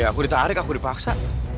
ya aku ditarik aku dipaksa